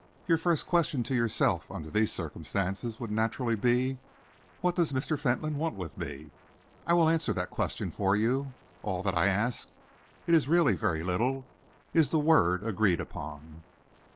"Your first question to yourself, under these circumstances, would naturally be: 'What does Mr. Fentolin want with me?' I will answer that question for you. All that I ask it is really very little is the word agreed upon."